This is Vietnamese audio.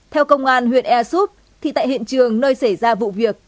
theo công an huyện ea súp thì tại hiện trường nơi xảy ra vụ việc